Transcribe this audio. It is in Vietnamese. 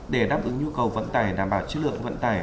để đáp ứng nhu cầu vận tải đảm bảo chất lượng vận tải